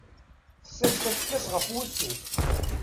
Tessers tafekka-s ɣef wussu.